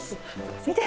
見て！